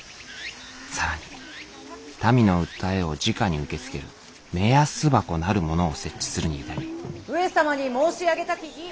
更に民の訴えをじかに受け付ける目安箱なるものを設置するに至り上様に申し上げたき儀ある者は。